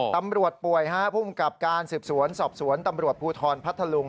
ตำรวจป่วยฮะภูมิกับการสืบสวนสอบสวนตำรวจภูทรพัทธลุง